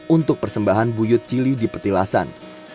untuk persembahan buyut cili di petilasan